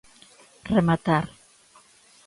Rematar.